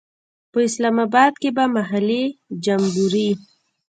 په اسلام آباد کې به محلي جمبوري.